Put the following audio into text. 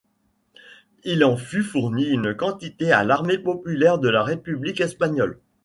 Il en fut fourni une quantité à l’armée populaire de la République espagnole.